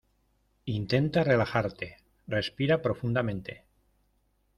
intenta relajarte. respira profundamente .